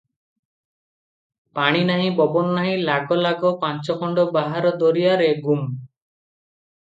ପାଣି ନାହିଁ, ପବନ ନାହିଁ ଲାଗ ଲାଗ ପାଞ୍ଚ ଖଣ୍ଡ ବାହାର ଦରିଆରେ ଗୁମ୍!